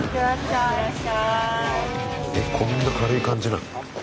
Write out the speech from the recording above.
えっこんな軽い感じなの？